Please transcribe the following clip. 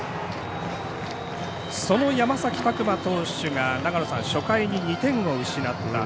その山崎琢磨投手が初回に２点を失った。